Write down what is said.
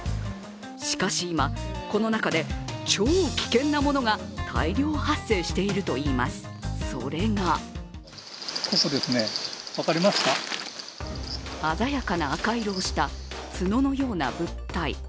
しかし今、この中で超危険なものが大量発生しているといいます、それが鮮やかな赤色をしたツノのような物体。